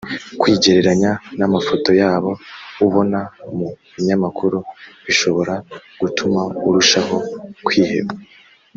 kwigereranya n amafoto y abo ubona mu binyamakuru bishobora gutuma urushaho kwiheba